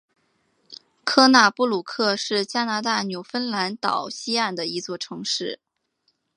科纳布鲁克是加拿大纽芬兰岛西岸的一座城市。